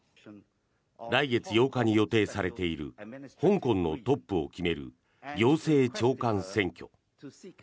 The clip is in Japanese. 来月８日に予定されている香港のトップを決める行政長官選挙。